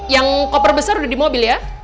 yang koper besar udah di mobil ya